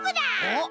おっ！